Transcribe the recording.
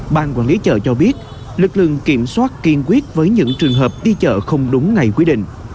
ban quản lý chợ cho biết lực lượng kiểm soát kiên quyết với những trường hợp đi chợ không đúng ngày quy định